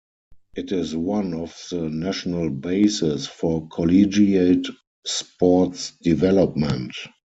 It is one of the national bases for collegiate sports development.